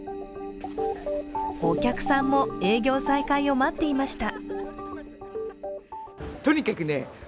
お客さんも、営業再開を待っていました。